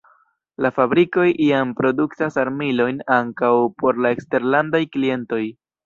La fabrikoj jam produktas armilojn ankaŭ por la eksterlandaj klientoj.